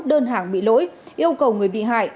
đơn hàng bị lỗi yêu cầu người bị hại